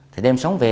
thì đem sống về